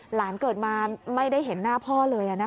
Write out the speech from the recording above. หลานเกิดมาไม่ได้เห็นหน้าพ่อเลย